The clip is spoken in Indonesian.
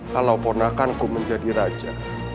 kalau ponakanku menjadi raja